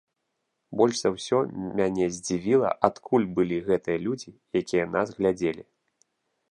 Больш за ўсё мяне здзівіла, адкуль былі гэтыя людзі, якія нас глядзелі.